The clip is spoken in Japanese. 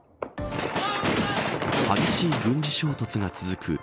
激しい軍事衝突が続く